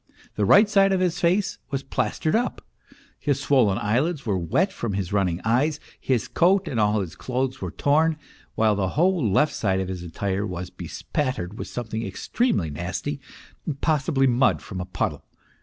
The right side of his face was plastered up; his swollen eyelids were wet from his running eyes, his coat and all his clothes were torn, while the whole left side of his attire was bespattered with some thing extremely nasty, possibly mud from a puddle.